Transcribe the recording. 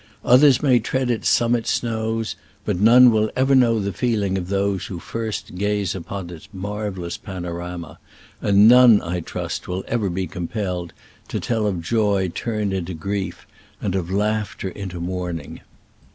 Others may tread its summit snows, but none will ever know the feel ings of those who first gazed upon its marvelous panorama, and none, I trust, will ever be compelled to tell of joy turn ed into grief, and of laughter into mourn ing.